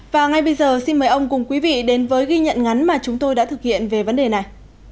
và ngay bây giờ xin mời ông cùng quý vị đến với ghi nhận ngắn mà chúng tôi đã thực hiện về vấn đề này